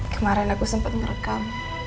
kemaren aku sempet ngerekam